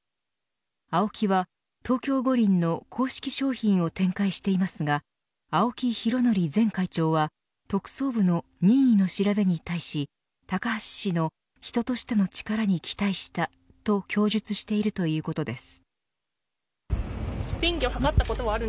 ＡＯＫＩは東京五輪の公式商品を展開していますが青木拡憲前会長は特捜部の任意の調べに対し高橋氏の人としての力に期待したと供述しているということです。